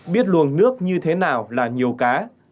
biết luồng nước như thế nào là nhiều cá